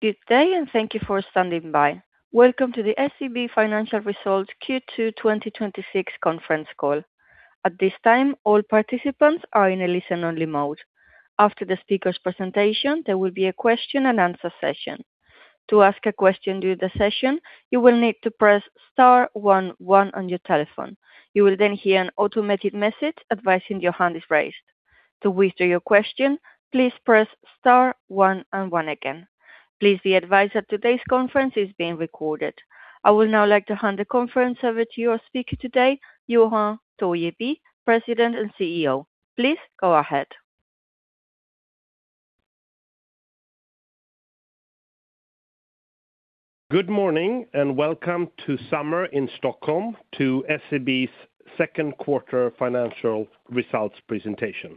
Good day. Thank you for standing by. Welcome to the SEB financial results Q2 2026 conference call. At this time, all participants are in a listen-only mode. After the speakers' presentation, there will be a question-and-answer session. To ask a question during the session, you will need to press star one one on your telephone. You will hear an automated message advising your hand is raised. To withdraw your question, please press star one and one again. Please be advised that today's conference is being recorded. I would now like to hand the conference over to your speaker today, Johan Torgeby, President and CEO. Please go ahead. Good morning. Welcome to summer in Stockholm to SEB's second quarter financial results presentation.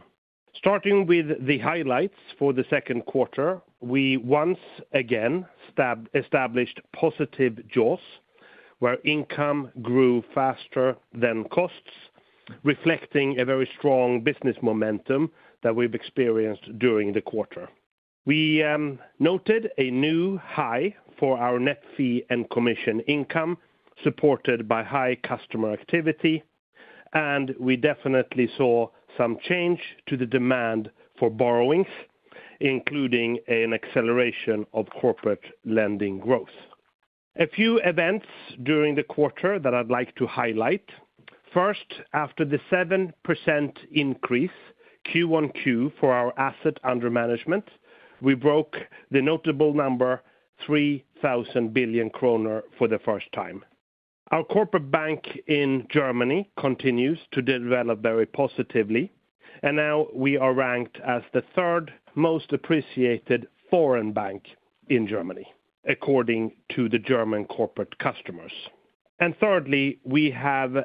Starting with the highlights for the second quarter, we once again established positive jaws, where income grew faster than costs, reflecting a very strong business momentum that we've experienced during the quarter. We noted a new high for our net fee and commission income, supported by high customer activity. We definitely saw some change to the demand for borrowings, including an acceleration of corporate lending growth. A few events during the quarter that I'd like to highlight. First, after the 7% increase Q-on-Q for our asset under management, we broke the notable number 3,000 billion kronor for the first time. Our corporate bank in Germany continues to develop very positively. Now we are ranked as the third most appreciated foreign bank in Germany, according to the German corporate customers. Thirdly, we have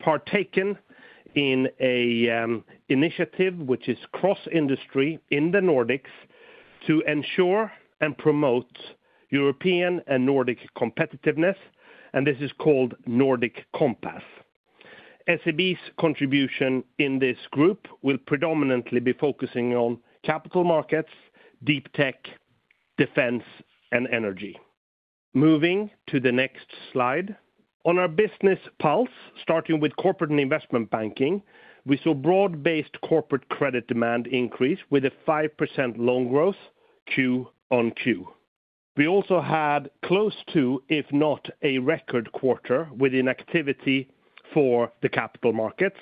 partaken in an initiative which is cross-industry in the Nordics to ensure and promote European and Nordic competitiveness. This is called Nordic Compass. SEB's contribution in this group will predominantly be focusing on capital markets, deep tech, defense, and energy. Moving to the next slide. On our business pulse, starting with corporate and investment banking, we saw broad-based corporate credit demand increase with a 5% loan growth Q-on-Q. We also had close to, if not a record quarter within activity for the capital markets.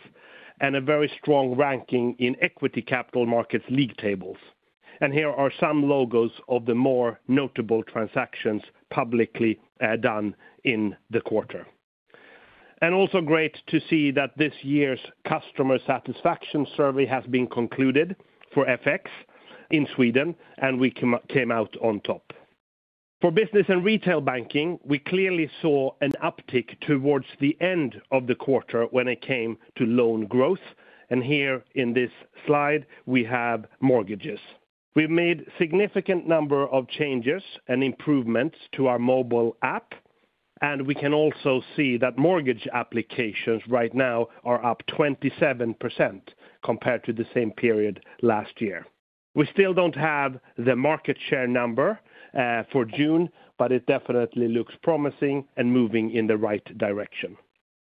A very strong ranking in equity capital markets league tables. Here are some logos of the more notable transactions publicly done in the quarter. Also great to see that this year's customer satisfaction survey has been concluded for FX in Sweden. We came out on top. For business and retail banking, we clearly saw an uptick towards the end of the quarter when it came to loan growth. Here in this slide, we have mortgages. We've made significant number of changes and improvements to our mobile app. We can also see that mortgage applications right now are up 27% compared to the same period last year. We still don't have the market share number for June. It definitely looks promising and moving in the right direction.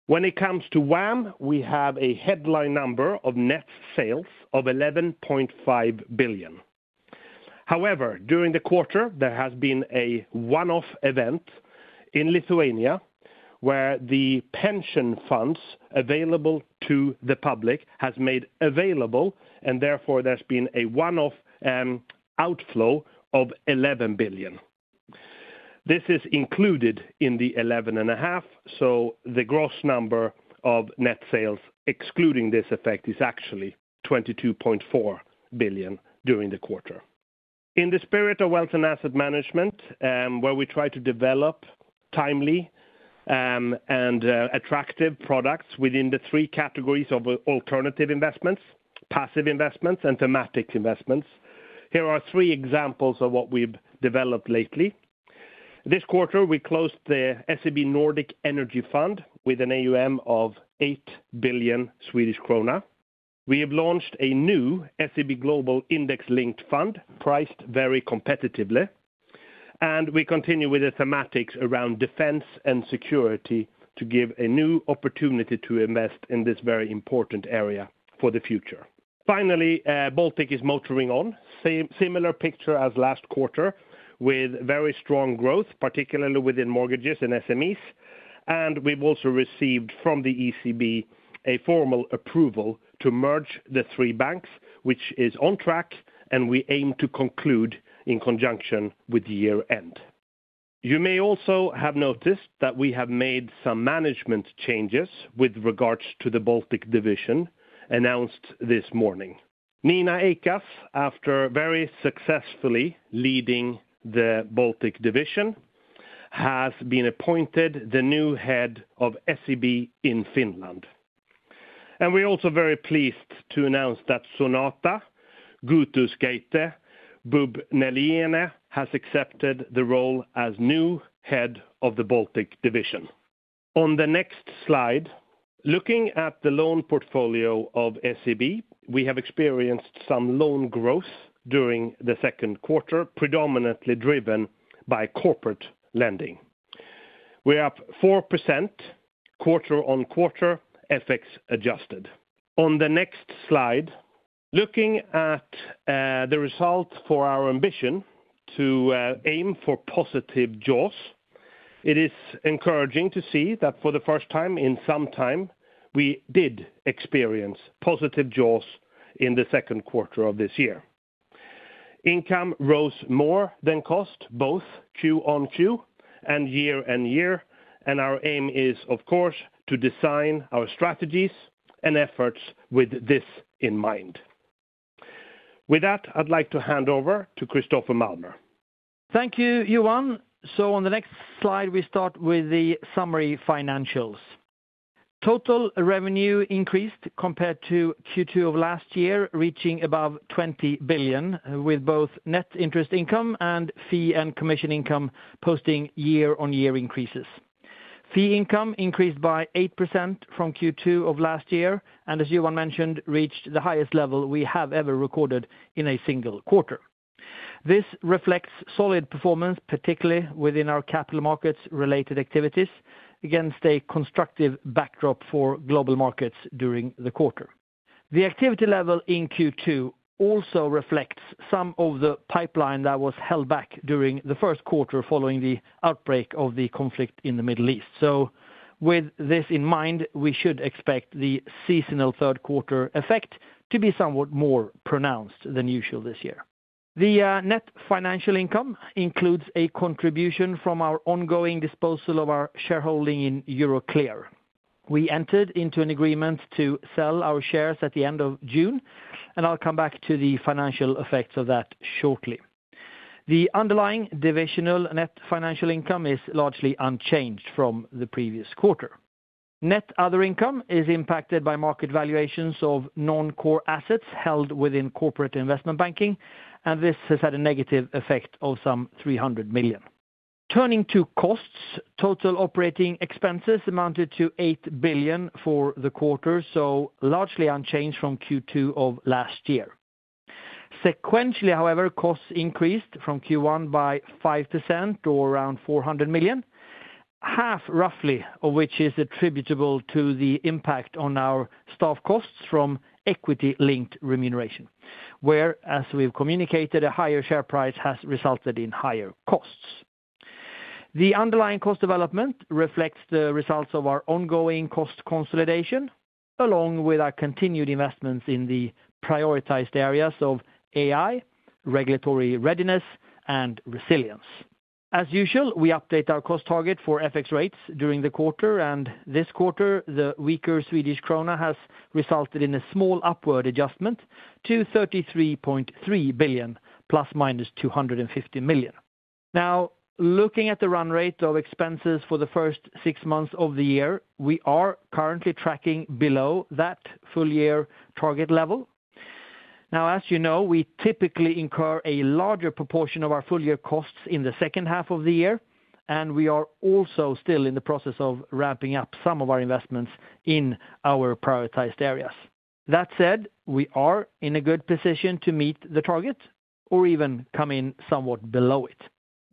When it comes to WAM, we have a headline number of net sales of 11.5 billion. However, during the quarter, there has been a one-off event in Lithuania where the pension funds available to the public has made available. Therefore, there's been a one-off outflow of 11 billion. This is included in the 11.5 billion, so the gross number of net sales excluding this effect is actually 22.4 billion during the quarter. In the spirit of wealth and asset management, where we try to develop timely and attractive products within the three categories of alternative investments, passive investments, and thematic investments, here are three examples of what we've developed lately. This quarter, we closed the SEB Nordic Energy Fund with an AUM of 8 billion Swedish krona. We have launched a new SEB Global index-linked fund priced very competitively, and we continue with the thematics around defense and security to give a new opportunity to invest in this very important area for the future. Finally, Baltic is motoring on. Similar picture as last quarter with very strong growth, particularly within mortgages and SMEs. And we've also received from the ECB a formal approval to merge the three banks, which is on track, and we aim to conclude in conjunction with the year-end. You may also have noticed that we have made some management changes with regards to the Baltic division announced this morning. Nina Eikaas, after very successfully leading the Baltic division, has been appointed the new Head of SEB in Finland. And we're also very pleased to announce that Sonata Gutauskaitė-Bubnelienė has accepted the role as new head of the Baltic division. On the next slide, looking at the loan portfolio of SEB, we have experienced some loan growth during the second quarter, predominantly driven by corporate lending. We're up 4% quarter-on-quarter, FX adjusted. On the next slide, looking at the result for our ambition to aim for positive jaws, it is encouraging to see that for the first time in some time, we did experience positive jaws in the second quarter of this year. Income rose more than cost, both Q-on-Q, and year-on-year, and our aim is, of course, to design our strategies and efforts with this in mind. With that, I'd like to hand over to Christoffer Malmer. Thank you, Johan. On the next slide, we start with the summary financials. Total revenue increased compared to Q2 of last year, reaching above 20 billion, with both net interest income and fee and commission income posting year-on-year increases. Fee income increased by 8% from Q2 of last year, and as Johan mentioned, reached the highest level we have ever recorded in a single quarter. This reflects solid performance, particularly within our capital markets related activities against a constructive backdrop for global markets during the quarter. The activity level in Q2 also reflects some of the pipeline that was held back during the first quarter following the outbreak of the conflict in the Middle East. With this in mind, we should expect the seasonal third quarter effect to be somewhat more pronounced than usual this year. The net financial income includes a contribution from our ongoing disposal of our shareholding in Euroclear. We entered into an agreement to sell our shares at the end of June. I'll come back to the financial effects of that shortly. The underlying divisional net financial income is largely unchanged from the previous quarter. Net other income is impacted by market valuations of non-core assets held within corporate investment banking, and this has had a negative effect of some 300 million. Turning to costs, total operating expenses amounted to 8 billion for the quarter, largely unchanged from Q2 of last year. Sequentially, however, costs increased from Q1 by 5% or around 400 million, half roughly of which is attributable to the impact on our staff costs from equity-linked remuneration, where, as we've communicated, a higher share price has resulted in higher costs. The underlying cost development reflects the results of our ongoing cost consolidation, along with our continued investments in the prioritized areas of AI, regulatory readiness, and resilience. As usual, we update our cost target for FX rates during the quarter. This quarter, the weaker Swedish krona has resulted in a small upward adjustment to 33.3 billion ± 250 million. Looking at the run-rate of expenses for the first six months of the year, we are currently tracking below that full-year target level. As you know, we typically incur a larger proportion of our full-year costs in the second half of the year, and we are also still in the process of ramping-up some of our investments in our prioritized areas. That said, we are in a good position to meet the target or even come in somewhat below it.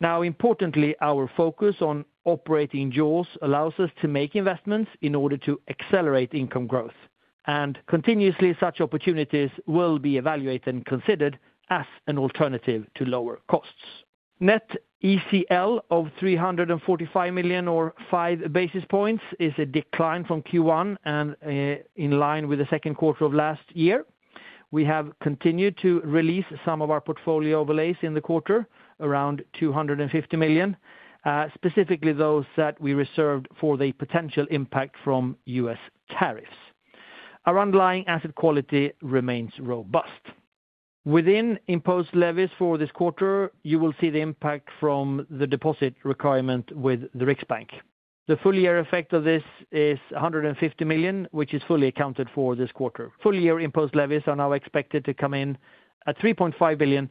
Importantly, our focus on operating jaws allows us to make investments in order to accelerate income growth. Continuously, such opportunities will be evaluated and considered as an alternative to lower costs. Net ECL of 345 million or 5 basis points is a decline from Q1 and in line with the second quarter of last year. We have continued to release some of our portfolio overlays in the quarter, around 250 million, specifically those that we reserved for the potential impact from U.S. tariffs. Our underlying asset quality remains robust. Within imposed levies for this quarter, you will see the impact from the deposit requirement with the Riksbank. The full-year effect of this is 150 million, which is fully accounted for this quarter. Full-year imposed levies are now expected to come in at 3.5 billion,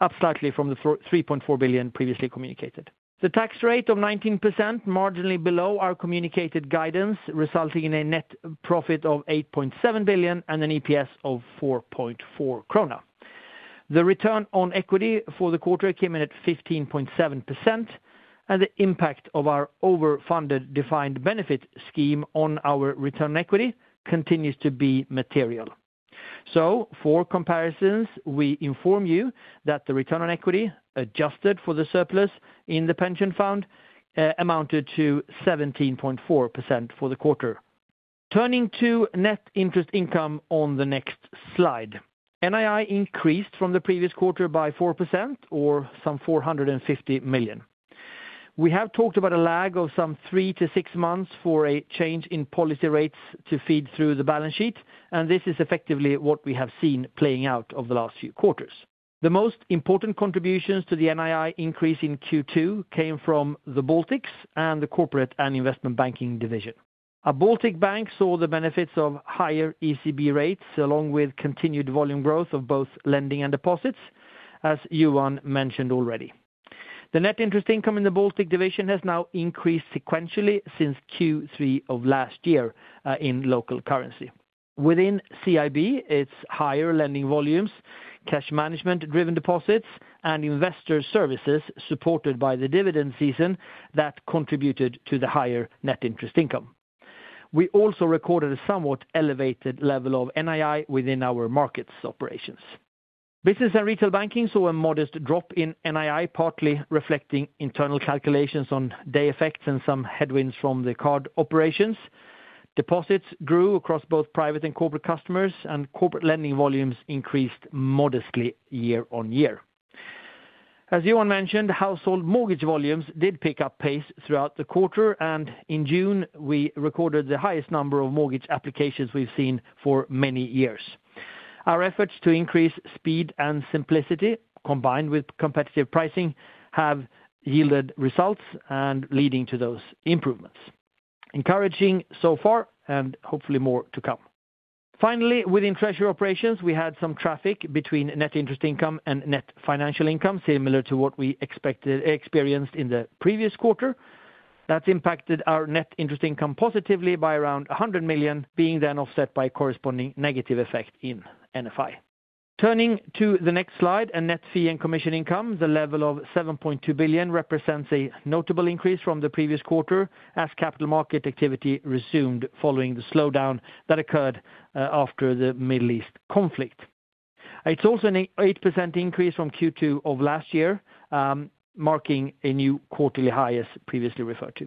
up slightly from the 3.4 billion previously communicated. The tax rate of 19%, marginally below our communicated guidance, resulting in a net profit of 8.7 billion and an EPS of 4.4 krona. The return on equity for the quarter came in at 15.7%. The impact of our overfunded defined benefit scheme on our return equity continues to be material. For comparisons, we inform you that the return on equity adjusted for the surplus in the pension fund amounted to 17.4% for the quarter. Turning to net interest income on the next slide. NII increased from the previous quarter by 4% or some 450 million. We have talked about a lag of some three to six months for a change in policy rates to feed through the balance sheet, and this is effectively what we have seen playing out over the last few quarters. The most important contributions to the NII increase in Q2 came from the Baltics and the Corporate and Investment Banking division. Our Baltic Bank saw the benefits of higher ECB rates, along with continued volume growth of both lending and deposits, as Johan mentioned already. The net interest income in the Baltic division has now increased sequentially since Q3 of last year in local currency. Within CIB, its higher lending volumes, cash management-driven deposits, and investor services supported by the dividend season that contributed to the higher net interest income. We also recorded a somewhat elevated level of NII within our markets operations. Business and Retail Banking saw a modest drop in NII, partly reflecting internal calculations on day effects and some headwinds from the card operations. Deposits grew across both private and corporate customers. Corporate lending volumes increased modestly year-on-year. As Johan mentioned, household mortgage volumes did pick up pace throughout the quarter. In June, we recorded the highest number of mortgage applications we've seen for many years. Our efforts to increase speed and simplicity, combined with competitive pricing, have yielded results and leading to those improvements. Encouraging so far and hopefully more to come. Finally, within treasury operations, we had some traffic between net interest income and net financial income, similar to what we experienced in the previous quarter. That's impacted our net interest income positively by around 100 million, being then offset by corresponding negative effect in NFI. Turning to the next slide, a net fee and commission income, the level of 7.2 billion represents a notable increase from the previous quarter as capital market activity resumed following the slowdown that occurred after the Middle East conflict. It's also an 8% increase from Q2 of last year, marking a new quarterly high as previously referred to.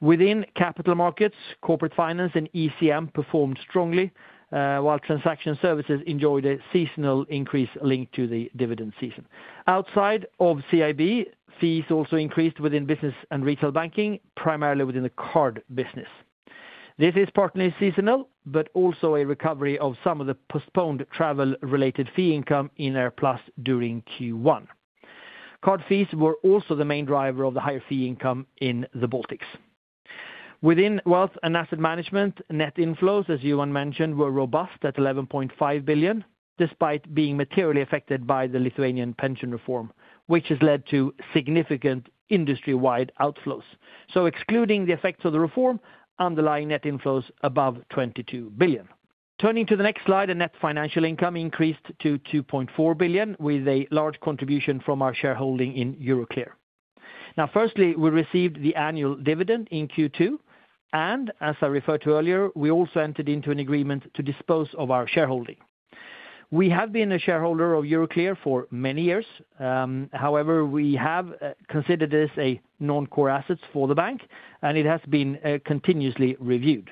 Within Capital Markets, Corporate Finance and ECM performed strongly, while Transaction Services enjoyed a seasonal increase linked to the dividend season. Outside of CIB, fees also increased within Business and Retail Banking, primarily within the card business. This is partly seasonal. Also, a recovery of some of the postponed travel-related fee income in our AirPlus during Q1. Card fees were also the main driver of the higher fee income in the Baltics. Within Wealth and Asset Management, net inflows, as Johan mentioned, were robust at 11.5 billion, despite being materially affected by the Lithuanian pension reform, which has led to significant industry-wide outflows. Excluding the effects of the reform, underlying net inflows above 22 billion. Turning to the next slide, a net financial income increased to 2.4 billion, with a large contribution from our shareholding in Euroclear. Firstly, we received the annual dividend in Q2. As I referred to earlier, we also entered into an agreement to dispose of our shareholding. We have been a shareholder of Euroclear for many years. We have considered this a non-core asset for the bank. It has been continuously reviewed.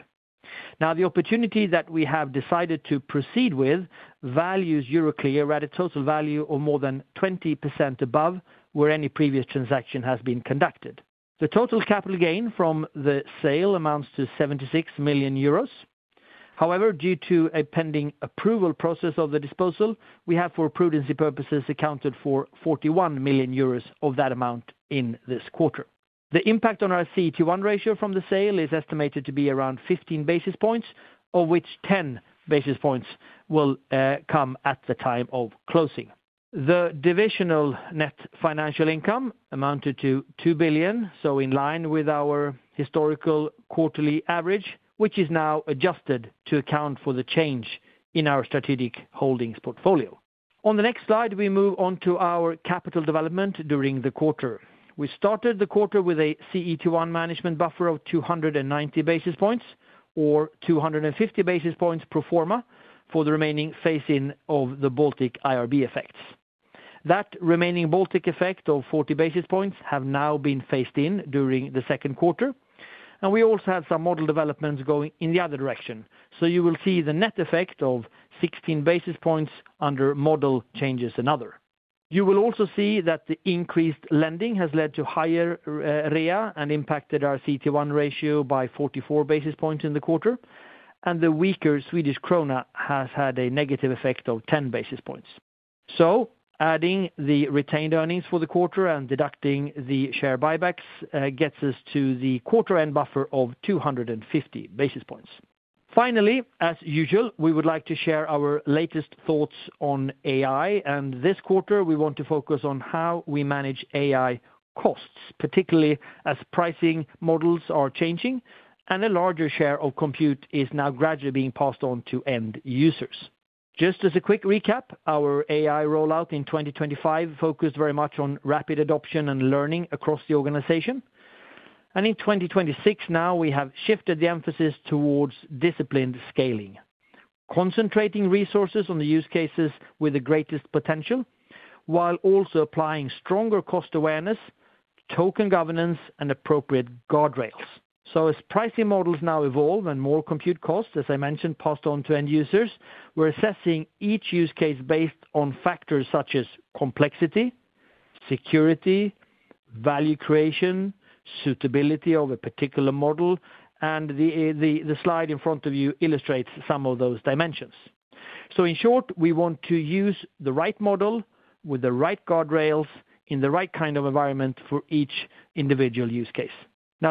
The opportunity that we have decided to proceed with values Euroclear at a total value of more than 20% above where any previous transaction has been conducted. The total capital gain from the sale amounts to 76 million euros. Due to a pending approval process of the disposal, we have, for prudency purposes, accounted for 41 million euros of that amount in this quarter. The impact on our CET1 ratio from the sale is estimated to be around 15 basis points, of which 10 basis points will come at the time of closing. The divisional net financial income amounted to 2 billion, in line with our historical quarterly average, which is now adjusted to account for the change in our strategic holdings portfolio. On the next slide, we move on to our capital development during the quarter. We started the quarter with a CET1 management buffer of 290 basis points, or 250 basis points pro forma for the remaining phase-in of the Baltic IRB effects. That remaining Baltic effect of 40 basis points have now been phased-in during the second quarter. We also have some model developments going in the other direction. You will see the net effect of 16 basis points under model changes and other. You will also see that the increased lending has led to higher REA and impacted our CET1 ratio by 44 basis points in the quarter, and the weaker Swedish krona has had a negative effect of 10 basis points. Adding the retained earnings for the quarter and deducting the share buybacks gets us to the quarter end buffer of 250 basis points. Finally, as usual, we would like to share our latest thoughts on AI. This quarter we want to focus on how we manage AI costs, particularly as pricing models are changing and a larger share of compute is now gradually being passed on to end users. Just as a quick recap, our AI rollout in 2025 focused very much on rapid adoption and learning across the organization. In 2026 now, we have shifted the emphasis towards disciplined scaling, concentrating resources on the use cases with the greatest potential, while also applying stronger cost awareness, token governance, and appropriate guardrails. As pricing models now evolve and more compute costs, as I mentioned, passed on to end users, we're assessing each use case based on factors such as complexity, security, value creation, suitability of a particular model, and the slide in front of you illustrates some of those dimensions. In short, we want to use the right model with the right guardrails in the right kind of environment for each individual use case.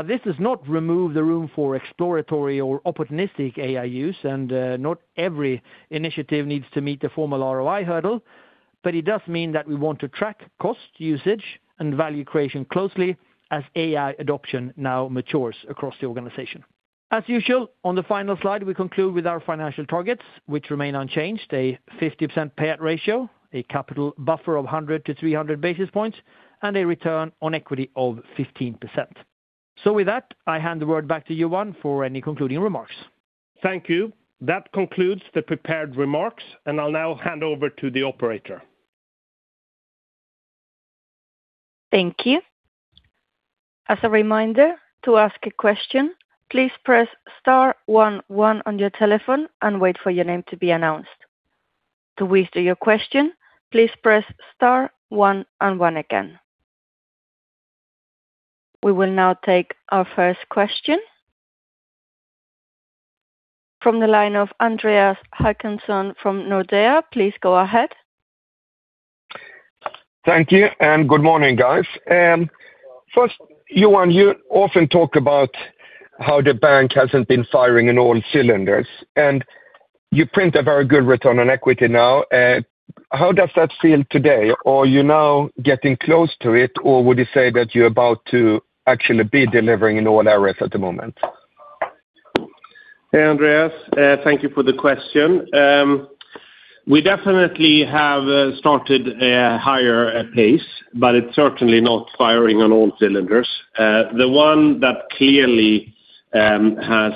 This does not remove the room for exploratory or opportunistic AI use, and not every initiative needs to meet the formal ROI hurdle. It does mean that we want to track cost usage and value creation closely as AI adoption now matures across the organization. As usual, on the final slide, we conclude with our financial targets, which remain unchanged. A 50% payout ratio, a capital buffer of 100 basis points- 300 basis points, and a return on equity of 15%. With that, I hand the word back to Johan for any concluding remarks. Thank you. That concludes the prepared remarks, and I'll now hand over to the operator. Thank you. As a reminder, to ask a question, please press star one one on your telephone and wait for your name to be announced. To withdraw your question, please press star one and one again. We will now take our first question from the line of Andreas Håkansson from Nordea. Please go ahead. Thank you, and good morning, guys. First, Johan, you often talk about how the bank hasn't been firing on all cylinders, and you print a very good return on equity now. How does that feel today? Are you now getting close to it, or would you say that you're about to actually be delivering in all areas at the moment? Hey, Andreas. Thank you for the question. We definitely have started a higher pace, but it's certainly not firing on all cylinders. The one that clearly has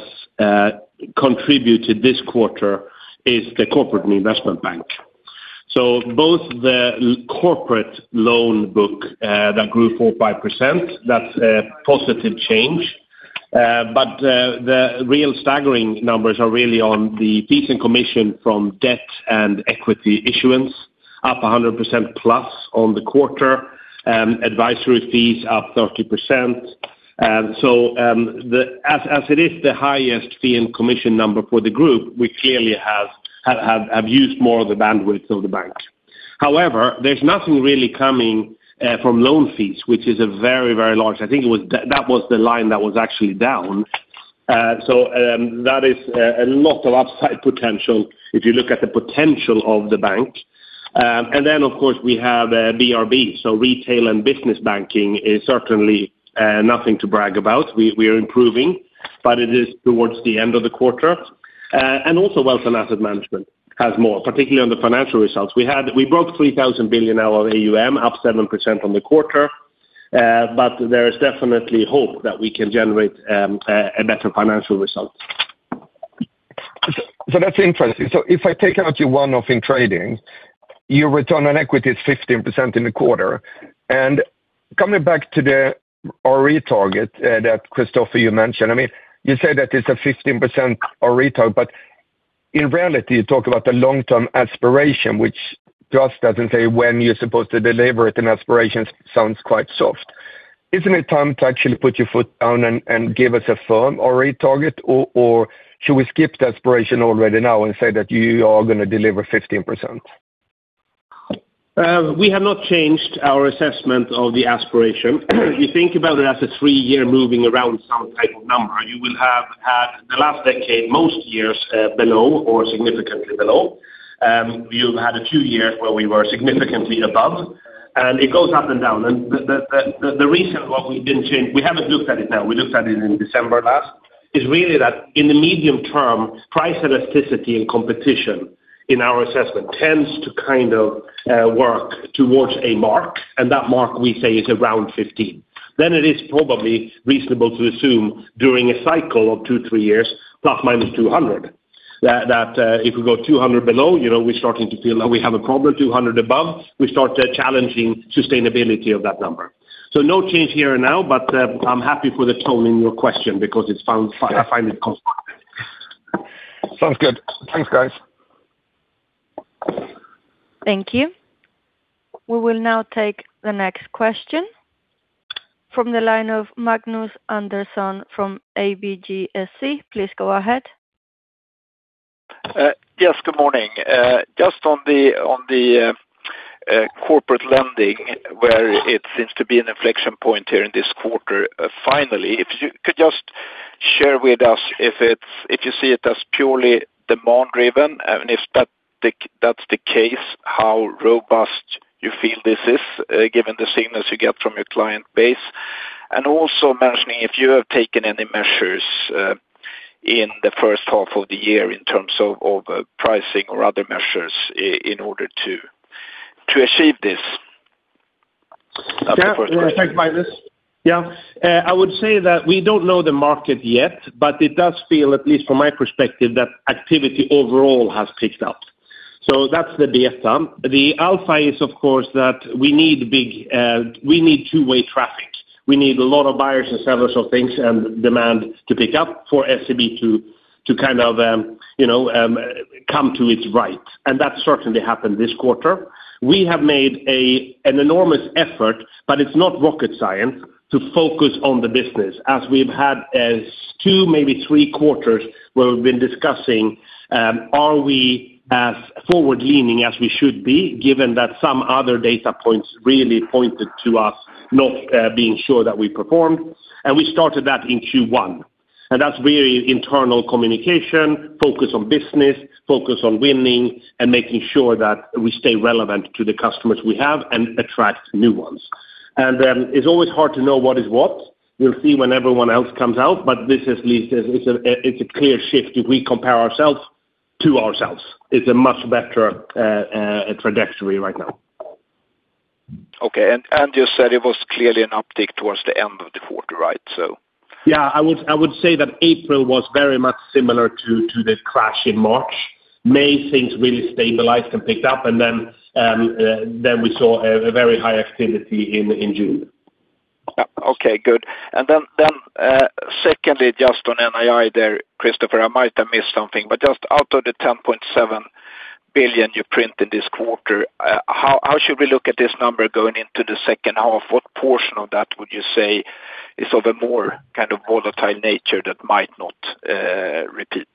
contributed this quarter is the corporate and investment bank. Both the corporate loan book that grew 4% or 5%, that's a positive change. The real staggering numbers are really on the fees and commission from debt and equity issuance up 100%+ on the quarter, advisory fees up 30%. As it is the highest fee and commission number for the group, we clearly have used more of the bandwidth of the bank. However, there's nothing really coming from loan fees, which is very large. I think that was the line that was actually down. That is a lot of upside potential if you look at the potential of the bank. Then, of course, we have BRB. Retail and business banking is certainly nothing to brag about. We are improving, but it is towards the end of the quarter. Also Wealth and Asset Management has more, particularly on the financial results. We broke 3,000 billion of AUM, up 7% on the quarter. There is definitely hope that we can generate a better financial result. That's interesting. If I take out your one-off in trading, your return on equity is 15% in the quarter. Coming back to the ROE target that Christoffer, you mentioned, you say that it's a 15% ROE target, in reality, you talk about the long-term aspiration, which just doesn't say when you're supposed to deliver it, and aspiration sounds quite soft. Isn't it time to actually put your foot down and give us a firm ROE target, or should we skip the aspiration already now and say that you are going to deliver 15%? We have not changed our assessment of the aspiration. You think about it as a three-year moving around some type of number. You will have had the last decade, most years below or significantly below. You've had two years where we were significantly above, and it goes up and down. The reason why we haven't looked at it now, we looked at it in December last, is really that in the medium term, price elasticity and competition in our assessment tends to work towards a mark, and that mark we say is around 15%. Then it is probably reasonable to assume during a cycle of two to three years, ±200 basis points. That if we go 200 basis points below, we're starting to feel that we have a problem 200 basis points above, we start challenging sustainability of that number. No change here now, I'm happy for the tone in your question because I find it constructive. Sounds good. Thanks, guys. Thank you. We will now take the next question from the line of Magnus Andersson from ABGSC. Please go ahead. Yes, good morning. Just on the corporate lending where it seems to be an inflection point here in this quarter finally. If you could just share with us if you see it as purely demand-driven, and if that's the case, how robust you feel this is given the signals you get from your client base? Also mentioning if you have taken any measures in the first half of the year in terms of pricing or other measures in order to achieve this as the first question. Thanks, Magnus. Yeah. I would say that we don't know the market yet, but it does feel, at least from my perspective, that activity overall has picked up. That's the beta. The alpha is, of course, that we need two-way traffic. We need a lot of buyers and sellers of things and demand to pick up for SEB to come to its right, and that certainly happened this quarter. We have made an enormous effort, but it's not rocket science to focus on the business as we've had two, maybe three quarters where we've been discussing, are we as forward-leaning as we should be, given that some other data points really pointed to us not being sure that we performed. We started that in Q1. That's really internal communication, focus on business, focus on winning, and making sure that we stay relevant to the customers we have and attract new ones. Then it's always hard to know what is what. We will see when everyone else comes out, but this at least it's a clear shift if we compare ourselves to ourselves. It's a much better trajectory right now. Okay, you said it was clearly an uptick towards the end of the quarter, right? Yeah, I would say that April was very much similar to the crash in March. May, things really stabilized and picked up, and then we saw a very high activity in June. Okay, good. Then secondly, just on NII there, Christoffer, I might have missed something, but just out of the 10.7 billion you print in this quarter, how should we look at this number going into the second half? What portion of that would you say is of a more kind of volatile nature that might not repeat?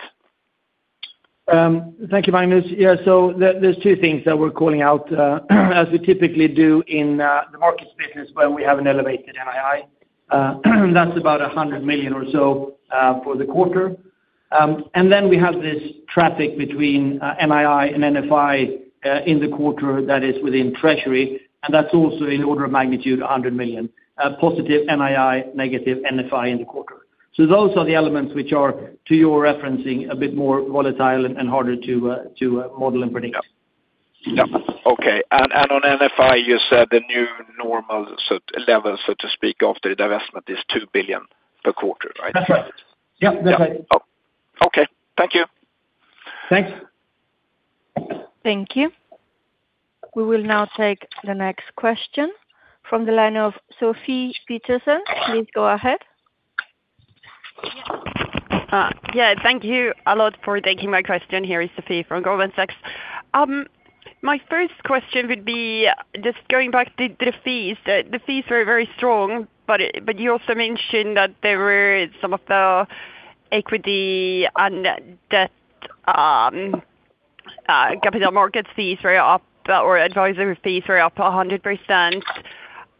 Thank you, Magnus. Yeah. There's two things that we're calling out, as we typically do in the markets business when we have an elevated NII. That's about 100 million or so for the quarter. We have this traffic between NII and NFI in the quarter that is within Treasury, and that's also in order of magnitude 100 million. Positive NII, negative NFI in the quarter. Those are the elements which are to your referencing a bit more volatile and harder to model and predict. Yeah. Okay. On NFI, you said the new normal levels, so to speak, after the divestment is 2 billion per quarter, right? That's right. Yep, that's right. Okay. Thank you. Thanks. Thank you. We will now take the next question from the line of Sofie Peterzens. Please go ahead. Yeah. Thank you a lot for taking my question. Here is Sofie from Goldman Sachs. My first question would be just going back to the fees. The fees were very strong, but you also mentioned that there were some of the equity and debt capital markets fees were up, or advisory fees were up 100%.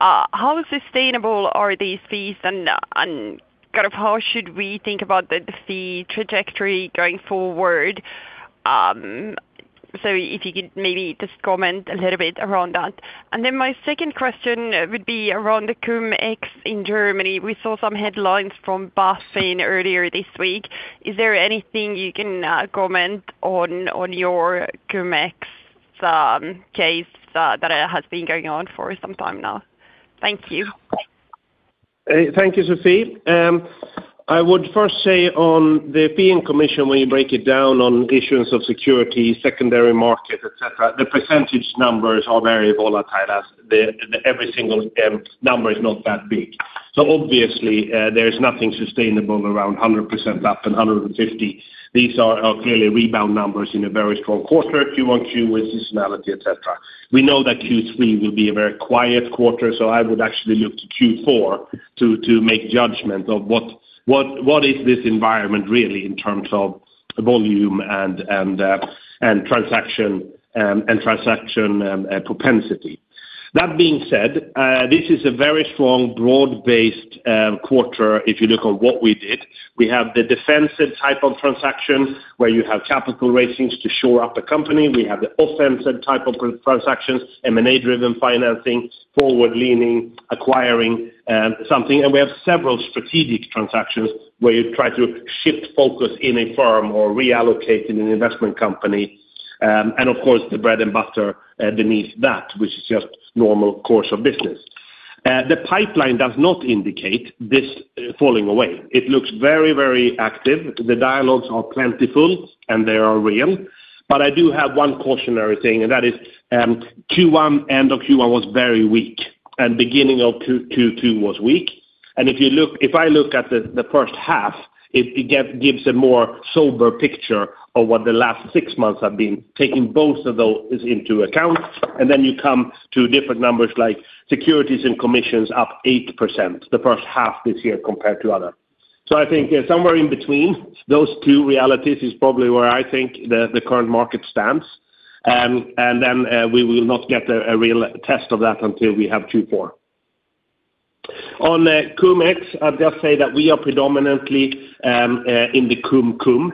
How sustainable are these fees, and how should we think about the fee trajectory going forward? If you could maybe just comment a little bit around that. My second question would be around the Cum-Ex in Germany. We saw some headlines from BaFin earlier this week. Is there anything you can comment on your Cum-Ex case that has been going on for some time now? Thank you. Thank you, Sofie. I would first say on the fee and commission, when you break it down on issuance of security, secondary market, et cetera, the percentage numbers are very volatile as every single number is not that big. Obviously there is nothing sustainable around 100% up and 150%. These are clearly rebound numbers in a very strong quarter, Q-on-Q with seasonality, et cetera. We know that Q3 will be a very quiet quarter, so I would actually look to Q4 to make judgment of what is this environment really in terms of volume and transaction propensity. That being said, this is a very strong broad-based quarter if you look at what we did. We have the defensive type of transactions where you have capital raisings to shore up a company. We have the offensive type of transactions, M&A driven financing, forward leaning, acquiring something. We have several strategic transactions where you try to shift focus in a firm or reallocate in an investment company. Of course, the bread and butter beneath that, which is just normal course of business. The pipeline does not indicate this falling away. It looks very active. The dialogues are plentiful, and they are real. I do have one cautionary thing, that is end of Q1 was very weak, beginning of Q2 was weak. If I look at the first half, it gives a more sober picture of what the last six months have been, taking both of those into account. Then you come to different numbers like securities and commissions up 8% the first half this year compared to other. I think somewhere in between those two realities is probably where I think the current market stands. We will not get a real test of that until we have Q4. On Cum-Ex, I will just say that we are predominantly in the Cum-Cum.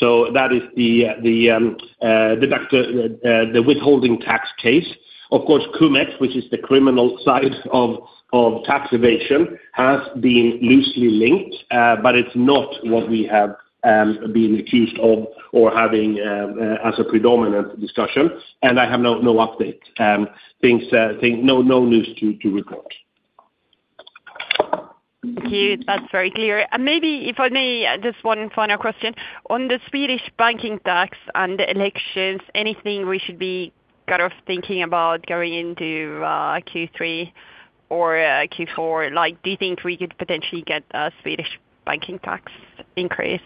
That is the withholding tax case. Of course, Cum-Ex, which is the criminal side of tax evasion, has been loosely linked, but it is not what we have been accused of or having as a predominant discussion, and I have no update. No news to report. Thank you. That is very clear. Maybe, if I may, just one final question. On the Swedish banking tax and the elections, anything we should be thinking about going into Q3 or Q4? Do you think we could potentially get a Swedish banking tax increase?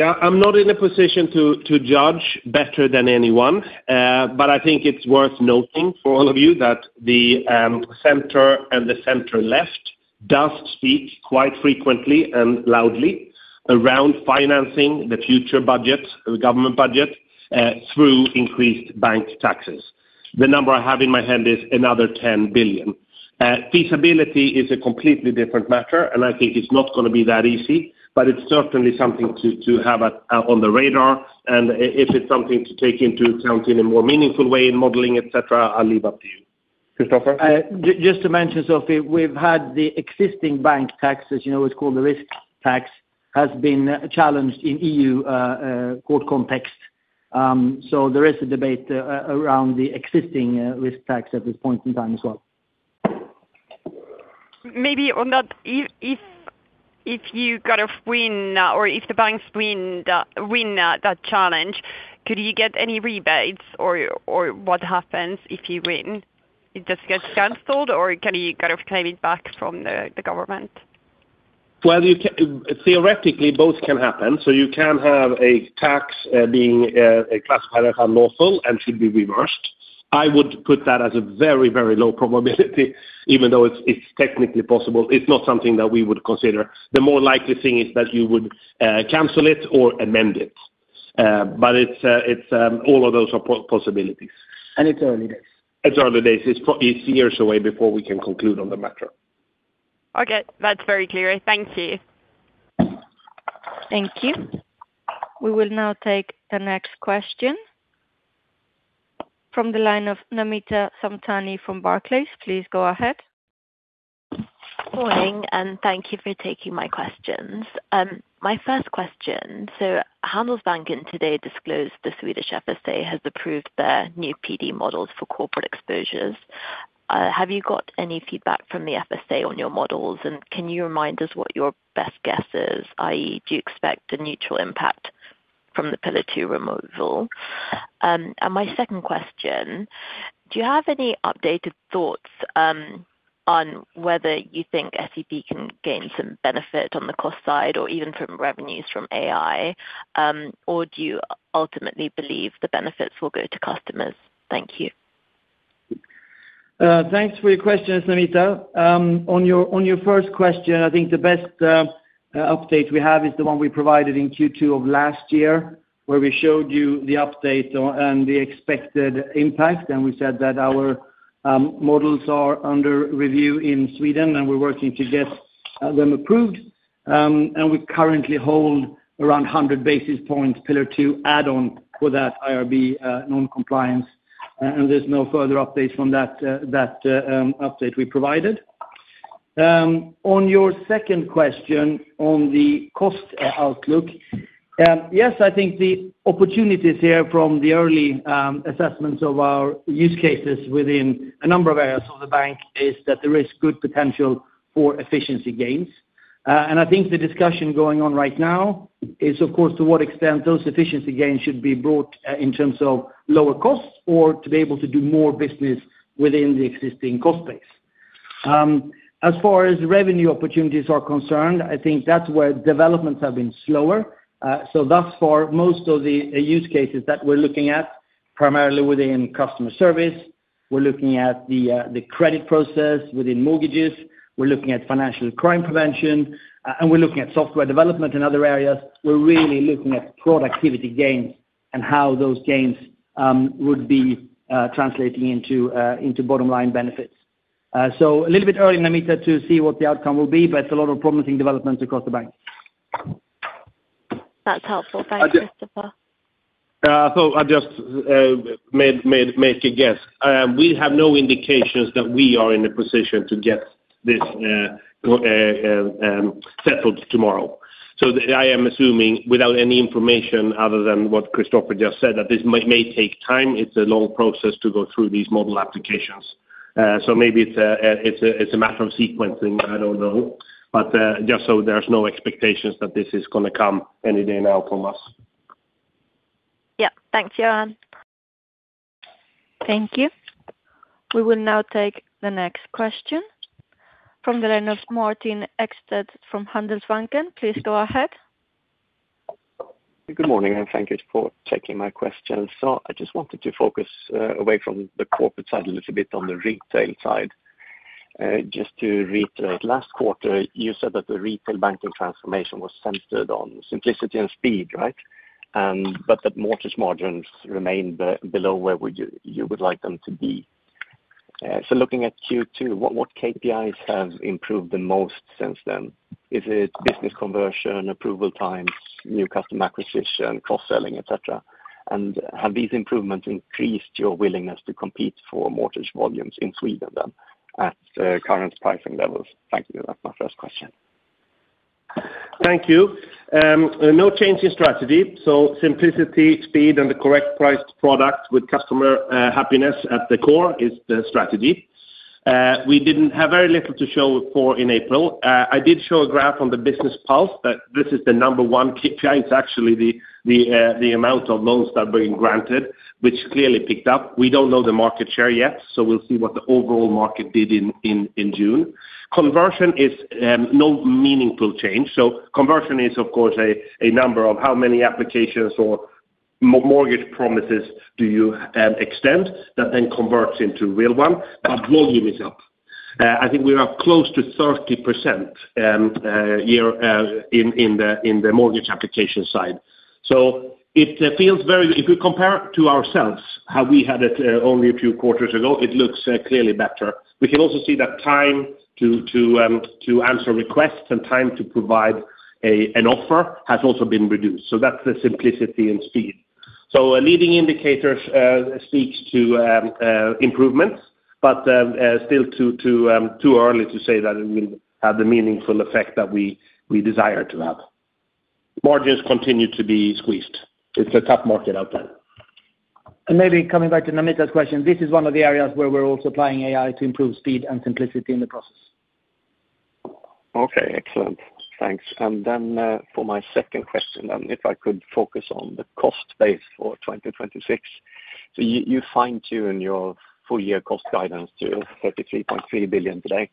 I am not in a position to judge better than anyone. I think it is worth noting for all of you that the center and the center-left does speak quite frequently and loudly around financing the future budget, the government budget, through increased bank taxes. The number I have in my hand is another 10 billion. Feasibility is a completely different matter, and I think it is not going to be that easy, but it is certainly something to have on the radar. If it is something to take into account in a more meaningful way in modeling, et cetera, I will leave up to you. Christoffer? Just to mention, Sofie, we have had the existing bank tax, as you know it is called the risk tax, has been challenged in EU court context. There is a debate around the existing risk tax at this point in time as well. Maybe on that, if you win or if the banks win that challenge, could you get any rebates or what happens if you win? It just gets canceled, or can you claim it back from the government? Well, theoretically, both can happen. You can have a tax being classified as unlawful and should be reversed. I would put that as a very low probability, even though it's technically possible. It's not something that we would consider. The more likely thing is that you would cancel it or amend it. All of those are possibilities. It's early days. It's early days. It's years away before we can conclude on the matter. Okay. That's very clear. Thank you. Thank you. We will now take the next question from the line of Namita Samtani from Barclays. Please go ahead. Morning. Thank you for taking my questions. My first question. Handelsbanken today disclosed the Swedish FSA has approved their new PD models for corporate exposures. Have you got any feedback from the FSA on your models? Can you remind us what your best guess is, i.e., do you expect a neutral impact from the Pillar 2 removal? My second question, do you have any updated thoughts on whether you think SEB can gain some benefit on the cost side or even from revenues from AI? Do you ultimately believe the benefits will go to customers? Thank you. Thanks for your questions, Namita. On your first question, I think the best update we have is the one we provided in Q2 of last year, where we showed you the update on the expected impact. We said that our models are under review in Sweden, and we're working to get them approved. We currently hold around 100 basis points Pillar 2 add-on for that IRB non-compliance. There's no further updates from that update we provided. On your second question on the cost outlook, yes, I think the opportunities here from the early assessments of our use cases within a number of areas of the bank is that there is good potential for efficiency gains. I think the discussion going on right now is, of course, to what extent those efficiency gains should be brought in terms of lower costs or to be able to do more business within the existing cost base. As far as revenue opportunities are concerned, I think that's where developments have been slower. Thus far, most of the use cases that we're looking at, primarily within customer service, we're looking at the credit process within mortgages. We're looking at financial crime prevention, and we're looking at software development in other areas. We're really looking at productivity gains and how those gains would be translating into bottom-line benefits. A little bit early, Namita, to see what the outcome will be, but a lot of promising developments across the bank. That's helpful. Thanks, Christoffer. I'll just make a guess. We have no indications that we are in a position to get this settled tomorrow. I am assuming, without any information other than what Christoffer just said, that this may take time. It's a long process to go through these model applications. Maybe it's a matter of sequencing, I don't know. Just so there's no expectations that this is going to come any day now from us. Yeah. Thanks, Johan. Thank you. We will now take the next question from the line of Martin Ekstedt from Handelsbanken. Please go ahead. Good morning. Thank you for taking my questions. I just wanted to focus away from the corporate side a little bit on the retail side. Just to reiterate, last quarter, you said that the retail banking transformation was centered on simplicity and speed, right? That mortgage margins remain below where you would like them to be. Looking at Q2, what KPIs have improved the most since then? Is it business conversion, approval times, new customer acquisition, cross-selling, et cetera? Have these improvements increased your willingness to compete for mortgage volumes in Sweden then at current pricing levels? Thank you. That's my first question. Thank you. No change in strategy. Simplicity, speed, and the correct priced product with customer happiness at the core is the strategy. We didn't have very little to show for in April. I did show a graph on the business pulse that this is the number one KPI. It's actually the amount of loans that are being granted, which clearly picked up. We don't know the market share yet. We'll see what the overall market did in June. Conversion is no meaningful change. Conversion is, of course, a number of how many applications or mortgage promises do you extend that then converts into real one. Volume is up. I think we're up close to 30% in the mortgage application side. If we compare it to ourselves, how we had it only a few quarters ago, it looks clearly better. We can also see that time to answer requests and time to provide an offer has also been reduced. That's the simplicity and speed. Leading indicators speaks to improvements. Still too early to say that it will have the meaningful effect that we desire to have. Margins continue to be squeezed. It's a tough market out there. Maybe coming back to Namita's question, this is one of the areas where we're also applying AI to improve speed and simplicity in the process. Okay, excellent. Thanks. For my second question, if I could focus on the cost base for 2026. You fine-tune your full-year cost guidance to 33.3 billion today,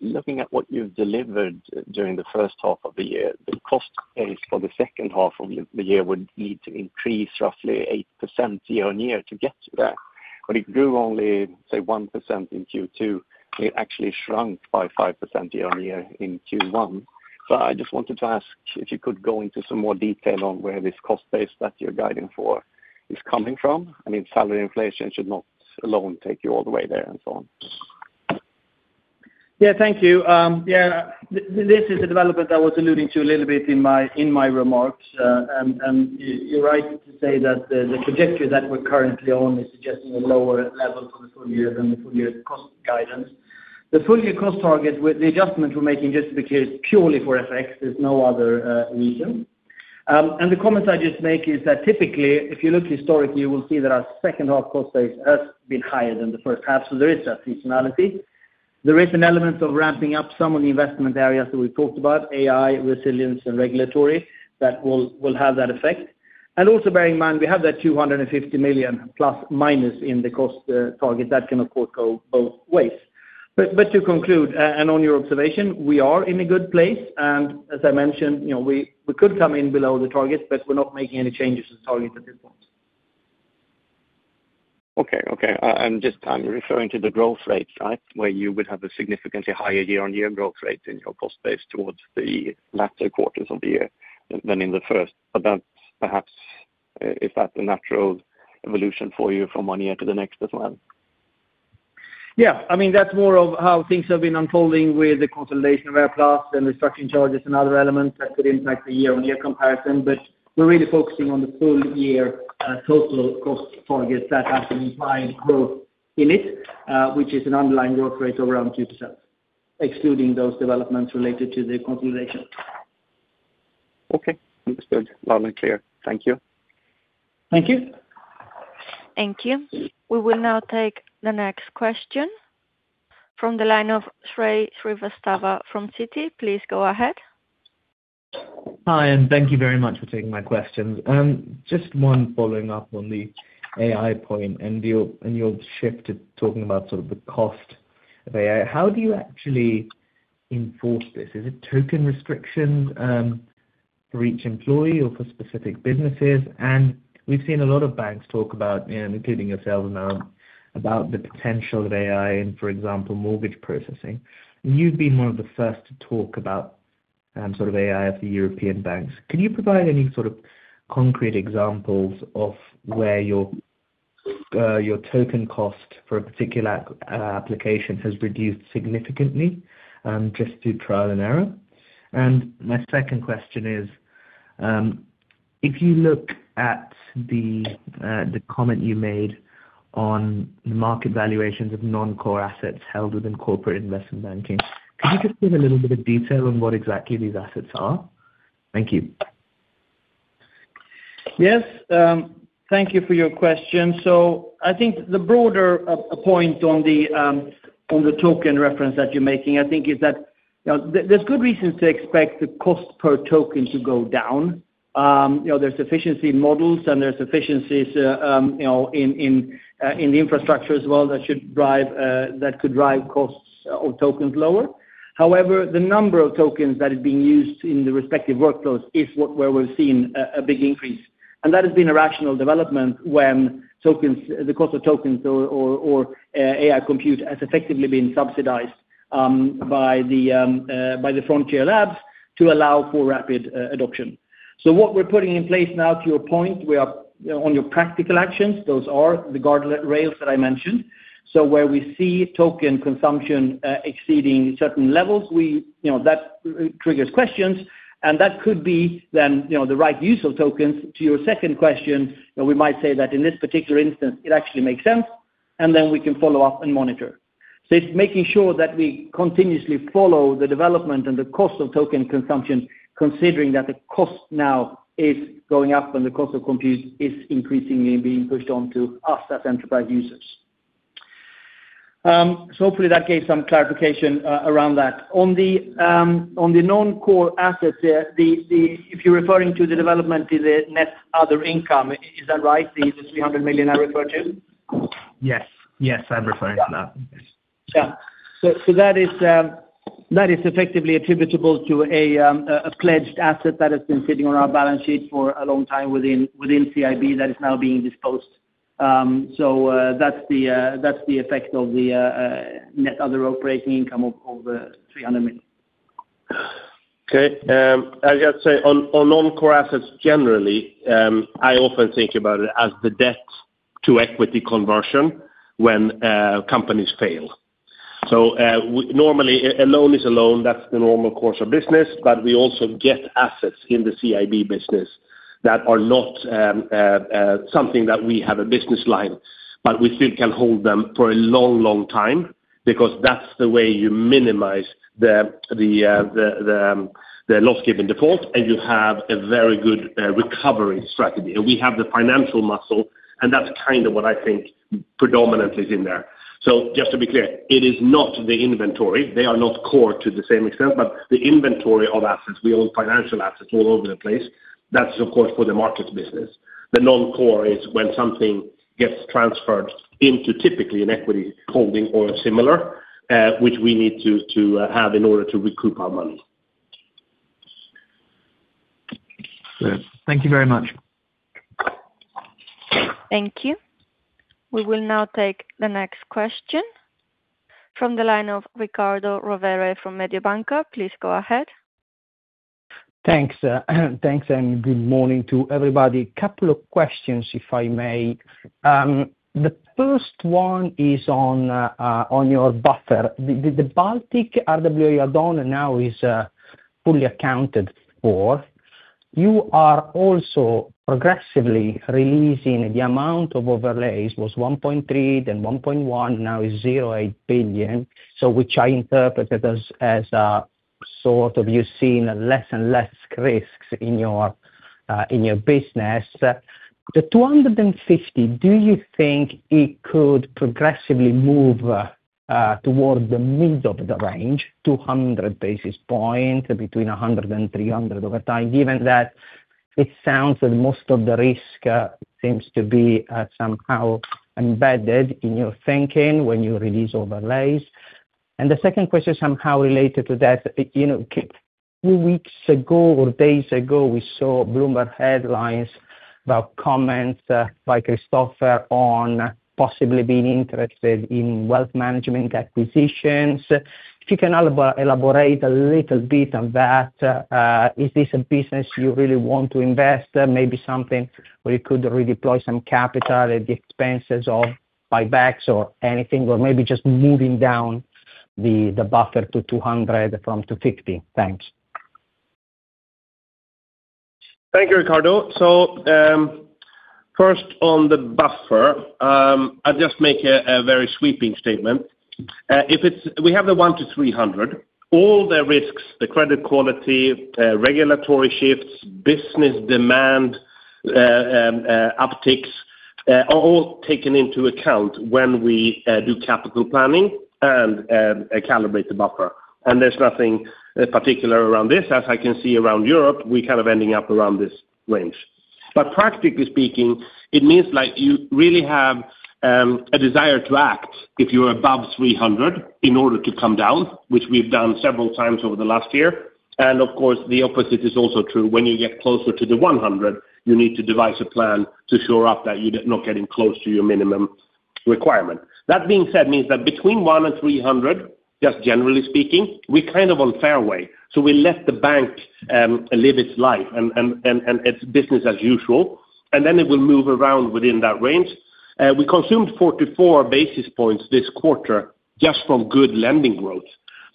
looking at what you've delivered during the first half of the year, the cost base for the second half of the year would need to increase roughly 8% year-on-year to get to that. It grew only, say, 1% in Q2. It actually shrunk by 5% year-on-year in Q1. I just wanted to ask if you could go into some more detail on where this cost base that you're guiding for is coming from. I mean, salary inflation should not alone take you all the way there and so on. Yeah. Thank you. This is a development I was alluding to a little bit in my remarks. You're right to say that the trajectory that we're currently on is suggesting a lower level for the full-year than the full-year cost guidance. The full-year cost target with the adjustment we're making just because purely for FX, there's no other reason. The comments I just make is that typically, if you look historically, you will see that our second half cost base has been higher than the first half. There is a seasonality. There is an element of ramping up some of the investment areas that we've talked about, AI, resilience, and regulatory, that will have that effect. Bearing in mind, we have that 250 million plus minus in the cost target. That can, of course, go both ways. To conclude, on your observation, we are in a good place, as I mentioned, we could come in below the target, but we're not making any changes to the target at this point. Okay. I'm referring to the growth rate, right, where you would have a significantly higher year-on-year growth rate in your cost base towards the latter quarters of the year than in the first. Perhaps, is that the natural evolution for you from one year to the next as well? That's more of how things have been unfolding with the consolidation of AirPlus and restructuring charges and other elements that could impact the year-on-year comparison. We're really focusing on the full-year total cost target that has an implied growth in it, which is an underlying growth rate of around 2%, excluding those developments related to the consolidation. Okay. Understood loud and clear. Thank you. Thank you. Thank you. We will now take the next question from the line of Shrey Srivastava from Citi. Please go ahead. Hi, thank you very much for taking my questions. Just one following up on the AI point and your shift to talking about sort of the cost of AI. How do you actually enforce this? Is it token restrictions for each employee or for specific businesses? We've seen a lot of banks talk about, including yourselves now, about the potential of AI in, for example, mortgage processing. You've been one of the first to talk about AI of the European banks. Can you provide any sort of concrete examples of where your token cost for a particular application has reduced significantly, just through trial and error? My second question is, if you look at the comment you made on the market valuations of non-core assets held within corporate investment banking, could you just give a little bit of detail on what exactly these assets are? Thank you. Yes. Thank you for your question. I think the broader point on the token reference that you're making, I think is that there's good reasons to expect the cost per token to go down. There's efficiency in models and there's efficiencies in the infrastructure as well that could drive costs of tokens lower. However, the number of tokens that is being used in the respective workloads is where we're seeing a big increase. That has been a rational development when the cost of tokens or AI compute has effectively been subsidized by the frontier labs to allow for rapid adoption. What we're putting in place now to your point, on your practical actions, those are the guardrails that I mentioned. Where we see token consumption exceeding certain levels, that triggers questions, that could be then the right use of tokens to your second question, we might say that in this particular instance, it actually makes sense, then we can follow up and monitor. It's making sure that we continuously follow the development and the cost of token consumption, considering that the cost now is going up and the cost of compute is increasingly being pushed onto us as enterprise users. Hopefully that gave some clarification around that. On the non-core assets, if you're referring to the development, the net other income, is that right? The 300 million I referred to? Yes. I'm referring to that. Yeah. That is effectively attributable to a pledged asset that has been sitting on our balance sheet for a long time within CIB that is now being disposed. That's the effect of the net other operating income of over 300 million. Okay. I'd say on non-core assets generally, I often think about it as the debt-to-equity conversion when companies fail. Normally, a loan is a loan. That's the normal course of business, but we also get assets in the CIB business that are not something that we have a business line, but we still can hold them for a long, long time because that's the way you minimize the loss given default, and you have a very good recovery strategy. We have the financial muscle, and that's kind of what I think predominantly is in there. Just to be clear, it is not the inventory. They are not core to the same extent, but the inventory of assets, we own financial assets all over the place. That's, of course, for the markets business. The non-core is when something gets transferred into typically an equity holding or similar, which we need to have in order to recoup our money. Good. Thank you very much. Thank you. We will now take the next question from the line of Riccardo Rovere from Mediobanca. Please go ahead. Thanks. Thanks, good morning to everybody. Couple of questions, if I may. The first one is on your buffer. The Baltic RWA add-on now is fully accounted for. You are also progressively releasing the amount of overlays, was 1.3 billion, then 1.1 billion, now is 0.8 billion, which I interpreted as sort of you're seeing less and less risks in your business. The 250 basis points, do you think it could progressively move towards the mid of the range, 200 basis points, between 100 basis points and 300 basis points over time, given that it sounds that most of the risk seems to be somehow embedded in your thinking when you release overlays? The second question somehow related to that, a few weeks ago or days ago, we saw Bloomberg headlines about comments by Christoffer on possibly being interested in wealth management acquisitions. If you can elaborate a little bit on that. Is this a business you really want to invest? Maybe something where you could redeploy some capital at the expenses of buybacks or anything, or maybe just moving down the buffer to 200 basis points from 250 basis points. Thanks. Thank you, Riccardo. First on the buffer. I'll just make a very sweeping statement. We have the 100 basis point to 300 basis points. All the risks, the credit quality, regulatory shifts, business demand upticks, are all taken into account when we do capital planning and calibrate the buffer. There's nothing particular around this. As I can see around Europe, we're kind of ending up around this range. Practically speaking, it means you really have a desire to act if you're above 300 basis points in order to come down, which we've done several times over the last year. Of course, the opposite is also true. When you get closer to the 100 basis points, you need to devise a plan to shore up that you're not getting close to your minimum requirement. That being said, means that between 100 basis point and 300 basis points, just generally speaking, we're kind of on fairway. We let the bank live its life and it's business as usual, and then it will move around within that range. We consumed 44 basis points this quarter just from good lending growth.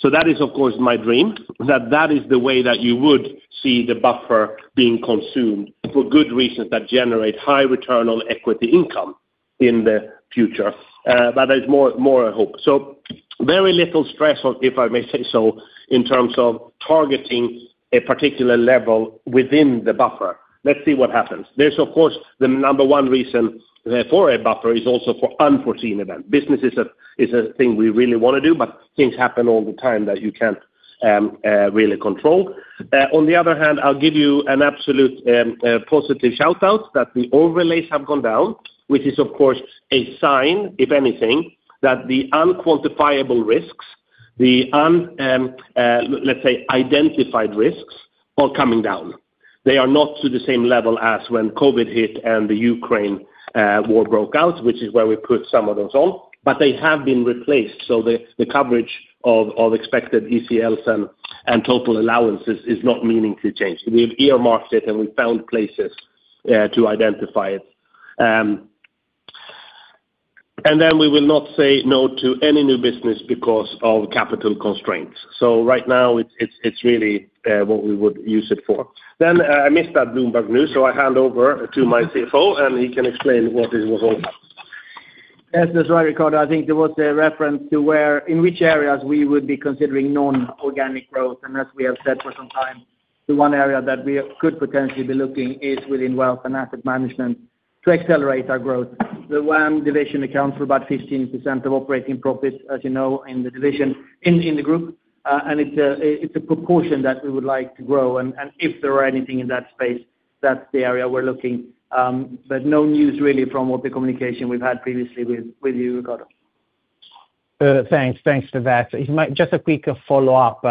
That is, of course, my dream, that that is the way that you would see the buffer being consumed for good reasons that generate high return on equity income in the future. That is more a hope. Very little stress on, if I may say so, in terms of targeting a particular level within the buffer. Let's see what happens. There's, of course, the number one reason for a buffer is also for unforeseen event. Business is a thing we really want to do, things happen all the time that you can't really control. On the other hand, I'll give you an absolute positive shout-out that the overlays have gone down, which is, of course, a sign, if anything, that the unquantifiable risks, the unidentified risks, are coming down. They are not to the same level as when COVID hit and the Ukraine war broke out, which is where we put some of those on, they have been replaced. The coverage of expected ECLs and total allowances is not meaning to change. We've earmarked it, we found places to identify it. We will not say no to any new business because of capital constraints. Right now it's really what we would use it for. I missed that Bloomberg news, I hand over to my CFO, and he can explain what this was all about. Yes, that's right, Riccardo. I think there was a reference to in which areas we would be considering non-organic growth. As we have said for some time, the one area that we could potentially be looking is within wealth and asset management to accelerate our growth. The WAM division accounts for about 15% of operating profit, as you know, in the division, in the group, and it's a proportion that we would like to grow. If there were anything in that space, that's the area we're looking. No news really from what the communication we've had previously with you, Riccardo. Thanks for that. Just a quick follow-up,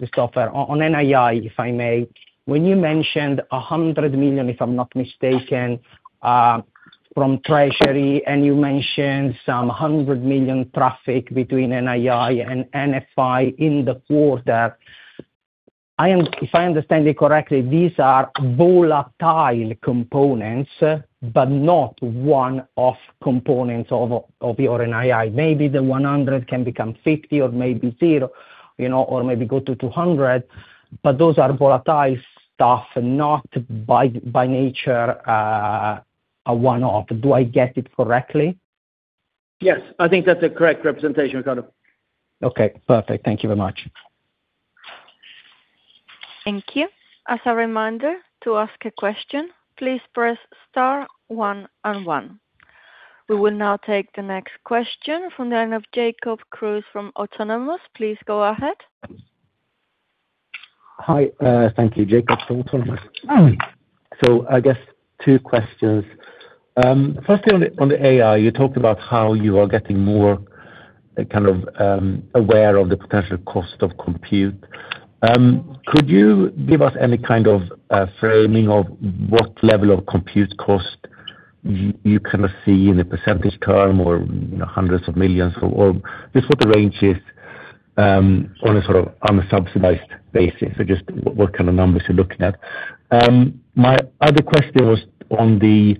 Christoffer, on NII, if I may. When you mentioned 100 million, if I'm not mistaken from Treasury, and you mentioned some 100 million traffic between NII and NFI in the quarter. If I understand it correctly, these are volatile components, but not one-off components of your NII. Maybe the 100 million can become 50 million or maybe 0, or maybe go to 200 million. Those are volatile stuff, not by nature a one-off. Do I get it correctly? Yes, I think that's a correct representation, Riccardo. Okay, perfect. Thank you very much. Thank you. As a reminder, to ask a question, please press star one on one. We will now take the next question from the line of Jacob Kruse from Autonomous. Please go ahead. Hi. Thank you, Jacob from Autonomous. I guess two questions. Firstly, on the AI, you talked about how you are getting more aware of the potential cost of compute. Could you give us any kind of framing of what level of compute cost you see in a percentage term or hundreds of millions, or just what the range is on a sort of unsubsidized basis? Just what kind of numbers you're looking at. My other question was on the,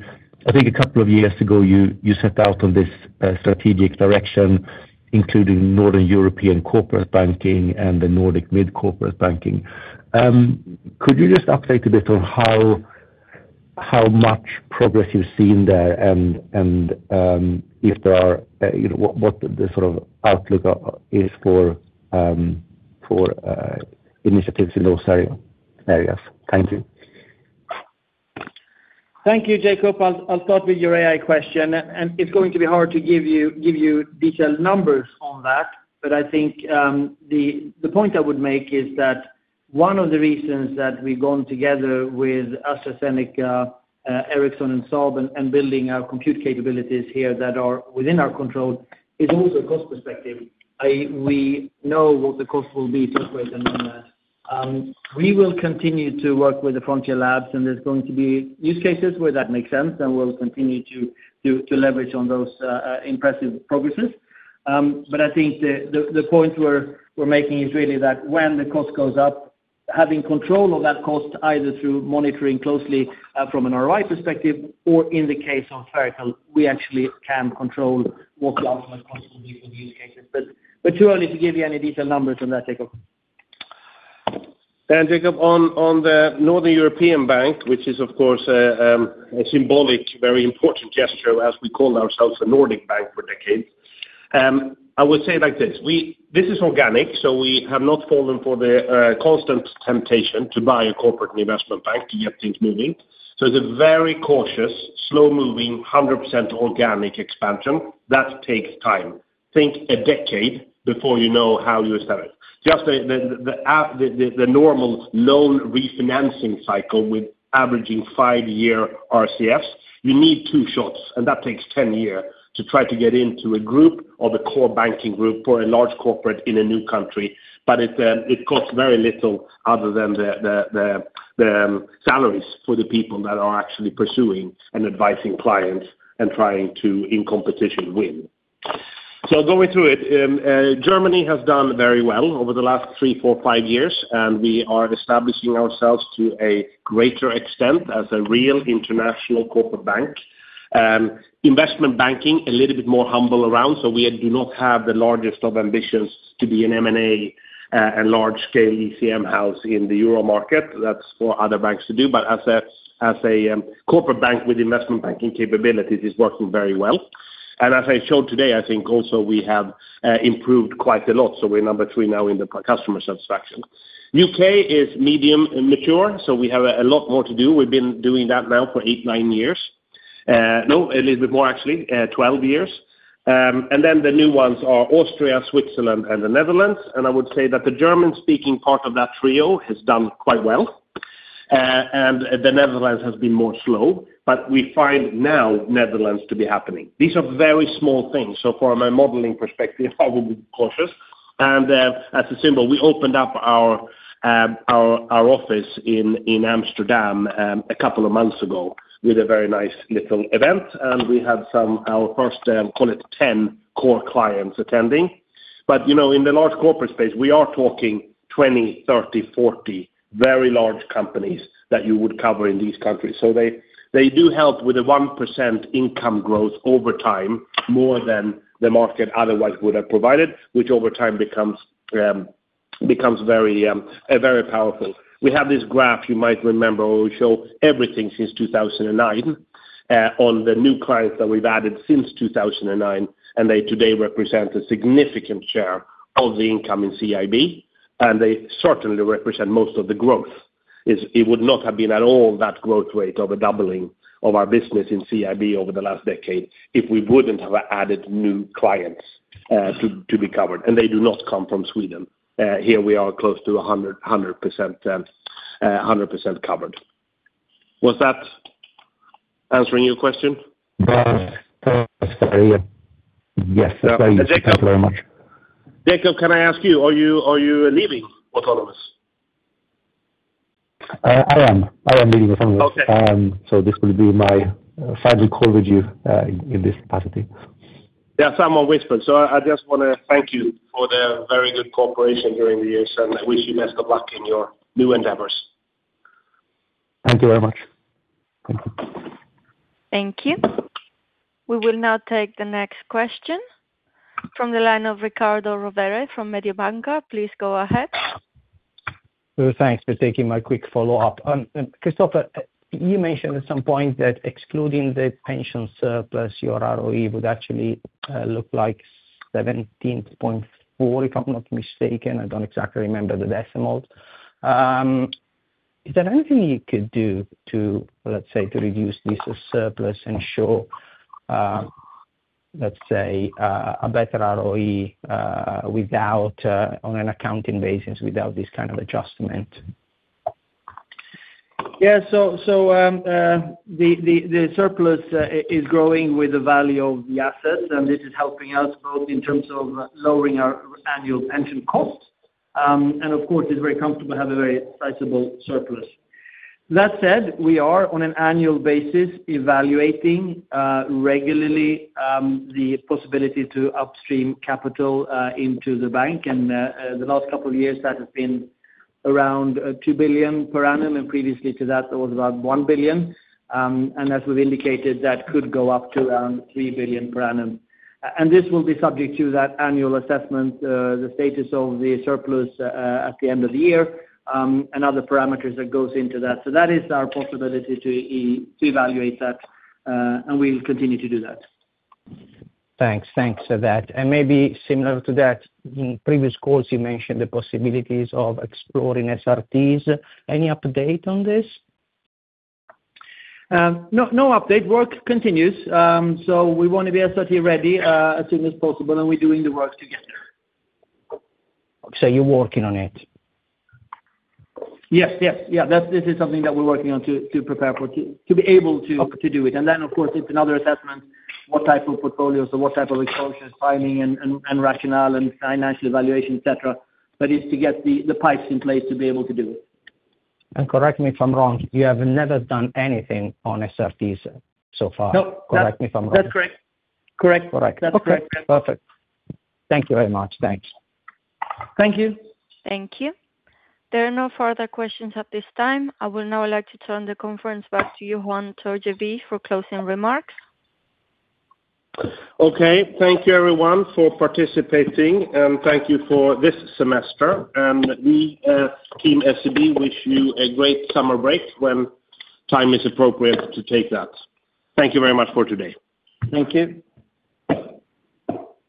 I think a couple of years ago you set out on this strategic direction including Northern European corporate banking and the Nordic mid-corporate banking. Could you just update a bit on how much progress you've seen there, and what the sort of outlook is for initiatives in those areas? Thank you. Thank you, Jacob. It's going to be hard to give you detailed numbers on that. I think the point I would make is that one of the reasons that we've gone together with AstraZeneca, Ericsson, and [Solven], building our compute capabilities here that are within our control, is also cost perspective. We know what the cost will be to a great number. We will continue to work with the frontier labs and there's going to be use cases where that makes sense, and we'll continue to leverage on those impressive progresses. I think the point we're making is really that when the cost goes up, having control of that cost, either through monitoring closely from an ROI perspective or in the case of fiscal, we actually can control what comes from the cost of these communications. Too early to give you any detailed numbers on that, Jacob. Jacob, on the Northern European Bank, which is of course a symbolic, very important gesture as we call ourselves a Nordic bank for decades. I would say it like this is organic, we have not fallen for the constant temptation to buy a corporate investment bank to get things moving. It's a very cautious, slow-moving, 100% organic expansion that takes time. Think a decade before you know how you established. Just the normal loan refinancing cycle with averaging five-year RCFs, you need two shots, and that takes 10 years to try to get into a group or the core banking group for a large corporate in a new country. It costs very little other than the salaries for the people that are actually pursuing and advising clients and trying to, in competition, win. Going through it, Germany has done very well over the last three, four, five years, and we are establishing ourselves to a greater extent as a real international corporate bank. Investment banking, a little bit more humble around, we do not have the largest of ambitions to be an M&A and large scale ECM house in the Euro market. That's for other banks to do. As a corporate bank with investment banking capabilities is working very well. As I showed today, I think also we have improved quite a lot. We're number three now in the customer satisfaction. U.K. is medium and mature, we have a lot more to do. We've been doing that now for eight, nine years. No, a little bit more actually, 12 years. Then the new ones are Austria, Switzerland, and the Netherlands. I would say that the German-speaking part of that trio has done quite well. The Netherlands has been more slow, but we find now Netherlands to be happening. These are very small things. From a modeling perspective, I would be cautious. As a symbol, we opened up our office in Amsterdam a couple of months ago with a very nice little event. We had our first, call it 10 core clients attending. In the large corporate space, we are talking 20, 30, 40 very large companies that you would cover in these countries. They do help with the 1% income growth over time, more than the market otherwise would have provided, which over time becomes very powerful. We have this graph you might remember where we show everything since 2009 on the new clients that we've added since 2009, and they today represent a significant share of the income in CIB, and they certainly represent most of the growth. It would not have been at all that growth rate of a doubling of our business in CIB over the last decade if we wouldn't have added new clients to be covered. They do not come from Sweden. Here we are close to 100% covered. Was that answering your question? Perfect. Sorry. Yes, please. Thank you very much. Jacob, can I ask you, are you leaving Autonomous? I am. I am leaving Autonomous. Okay. This will be my final call with you in this capacity. Yeah, same on my side. I just want to thank you for the very good cooperation during the years, and I wish you best of luck in your new endeavors. Thank you very much. Thank you. We will now take the next question from the line of Riccardo Rovere from Mediobanca. Please go ahead. Thanks for taking my quick follow-up. Christoffer, you mentioned at some point that excluding the pension surplus, your ROE would actually look like 17.4%, if I'm not mistaken. I don't exactly remember the decimals. Is there anything you could do to, let's say, reduce this surplus and show, let's say, a better ROE on an accounting basis without this kind of adjustment? Yeah. The surplus is growing with the value of the assets, and this is helping us both in terms of lowering our annual pension costs, and of course, it's very comfortable to have a very sizable surplus. That said, we are, on an annual basis, evaluating regularly the possibility to upstream capital into the bank. The last couple of years, that has been around 2 billion per annum, and previously to that it was around 1 billion. As we've indicated, that could go up to around 3 billion per annum. This will be subject to that annual assessment, the status of the surplus at the end of the year, and other parameters that goes into that. That is our possibility to evaluate that, and we'll continue to do that. Thanks. Thanks for that. Maybe similar to that, in previous calls you mentioned the possibilities of exploring SRTs. Any update on this? No update. Work continues. We want to be SRT ready as soon as possible, and we're doing the work to get there. Working on it? Yes. This is something that we're working on to prepare for, to be able to do it. Then, of course, it's another assessment, what type of portfolios or what type of exposures, timing, and rationale and financial evaluation, et cetera. It's to get the pipes in place to be able to do it. Correct me if I'm wrong, you have never done anything on SRTs so far. No. Correct me if I'm wrong. That's correct. Correct. Okay. Perfect. Thank you very much. Thanks. Thank you. Thank you. There are no further questions at this time. I would now like to turn the conference back to you, Johan Torgeby, for closing remarks. Okay. Thank you everyone for participating, and thank you for this semester. We, Team SEB, wish you a great summer break when time is appropriate to take that. Thank you very much for today. Thank you.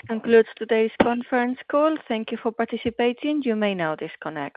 Concludes today's conference call. Thank you for participating. You may now disconnect.